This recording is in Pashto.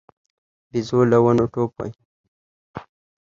بيزو له ونو ټوپ وهي.